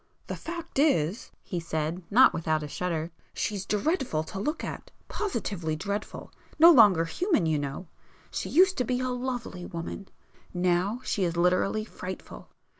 "The fact is," he said, not without a shudder—"she's dreadful to look at,—positively dreadful!—no longer human, you know. She used to be a lovely woman,—now she is literally frightful.